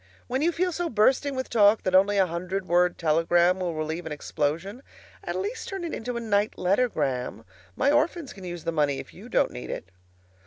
When you feel so bursting with talk that only a hundred word telegram will relieve an explosion, at least turn it into a night lettergram. My orphans can use the money if you don't need it.